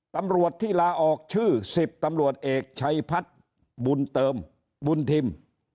ตำรวจที่ลาออกชื่อ๑๐ตำรวจเอกชัยพัฒน์บุญเติมบุญทิม